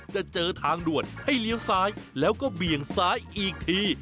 จะเจอทางด่วนให้เลี้ยวซ้ายแล้วก็เบี่ยงซ้ายอีกที